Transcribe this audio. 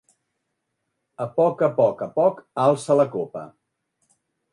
A poc a poc a poc alça la copa.